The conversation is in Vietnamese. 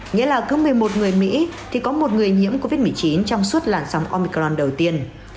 nghĩa là cứ một mươi một người mỹ thì có một người nhiễm covid một mươi chín trong suốt làn sóng omicron đầu tiên